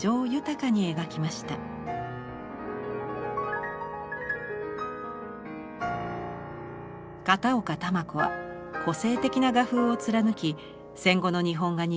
片岡球子は個性的な画風を貫き戦後の日本画に新境地を開きます。